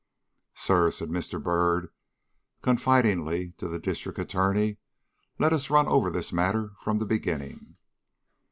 "Sir," said Mr. Byrd, confidingly, to the District Attorney, "let us run over this matter from the beginning.